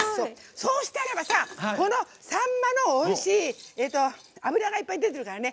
そうしたら、さんまのおいしい脂がいっぱい出ているからね。